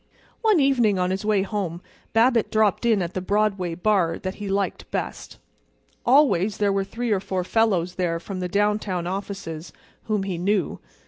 One evening on his way home Babbitt dropped in at the Broadway bar that he liked best. Always there were three or four fellows there from the downtown offices whom he knew.